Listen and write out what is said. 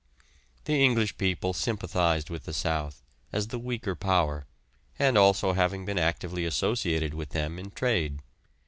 The English people sympathised with the south, as the weaker power, and also having been actively associated with them in trade.